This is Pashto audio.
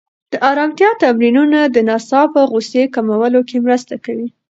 د ارامتیا تمرینونه د ناڅاپه غوسې کمولو کې مرسته کوي.